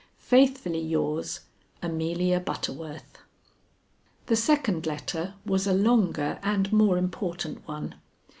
Faithfully yours, "AMELIA BUTTERWORTH." The second letter was a longer and more important one.